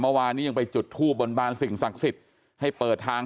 เมื่อวานนี้ยังไปจุดทูบบนบานสิ่งศักดิ์สิทธิ์ให้เปิดทาง